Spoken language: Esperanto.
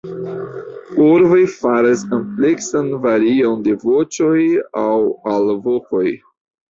Korvoj faras ampleksan varion de voĉoj aŭ alvokoj.